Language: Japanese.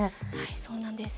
そうなんです。